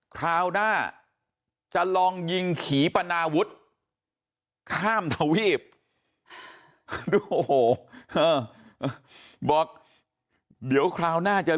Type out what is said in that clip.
คราวหน้าจะลองยิงขี่ปนาวุฒิข้ามทวีปดูโอ้โหบอกเดี๋ยวคราวหน้าจะ